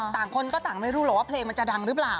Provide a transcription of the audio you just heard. คนก็ต่างไม่รู้หรอกว่าเพลงมันจะดังหรือเปล่า